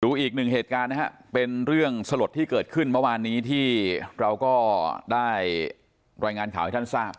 อีกหนึ่งเหตุการณ์นะครับเป็นเรื่องสลดที่เกิดขึ้นเมื่อวานนี้ที่เราก็ได้รายงานข่าวให้ท่านทราบ